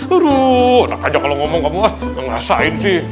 aduh enak aja kalau ngomong kamu ngerasain sih